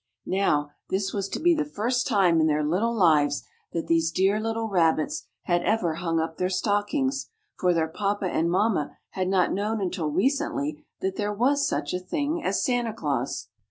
Now, this was to be the first time in their little lives that these dear little rabbits had ever hung up their stockings, for their papa and mamma had not known until recently that there was such a thing as Santa Claus.